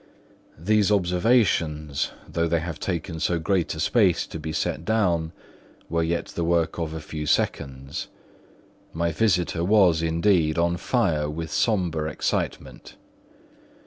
These observations, though they have taken so great a space to be set down in, were yet the work of a few seconds. My visitor was, indeed, on fire with sombre excitement.